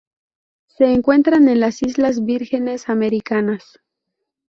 Se encuentran en las Islas Vírgenes Americanas.